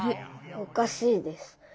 おかしいです。